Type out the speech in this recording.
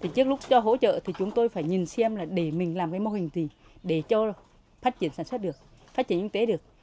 thì trước lúc cho hỗ trợ thì chúng tôi phải nhìn xem là để mình làm cái mô hình thì để cho phát triển sản xuất được phát triển kinh tế được